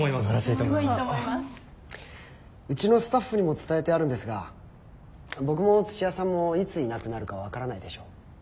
うちのスタッフにも伝えてあるんですが僕も土屋さんもいついなくなるか分からないでしょ？